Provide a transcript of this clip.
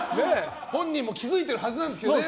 本人も気づいてるはずなんですけどね。